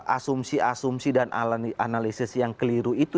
asumsi asumsi dan analisis yang keliru itu